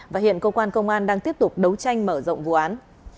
và hiện cơ quan công an đang tiếp tục đấu tranh mở rộng vụ án